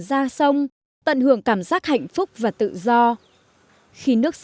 lạc lõng giữa những chiếc thuyền sắt to lớn